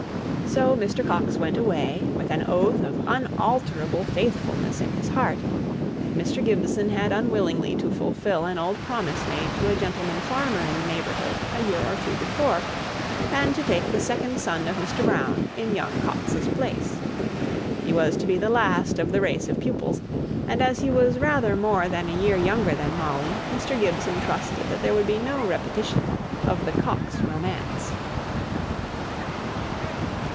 So Mr. Coxe went away, with an oath of unalterable faithfulness in his heart; and Mr. Gibson had unwillingly to fulfil an old promise made to a gentleman farmer in the neighbourhood a year or two before, and to take the second son of Mr. Browne in young Coxe's place. He was to be the last of the race of pupils, and as he was rather more than a year younger than Molly, Mr. Gibson trusted that there would be no repetition of the Coxe romance.